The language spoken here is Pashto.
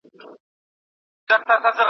قوم چي یووالی